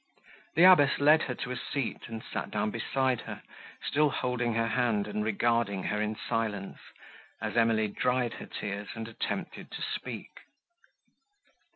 The abbess led her to a seat, and sat down beside her, still holding her hand and regarding her in silence, as Emily dried her tears and attempted to speak.